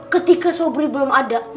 ketika sobri belum ada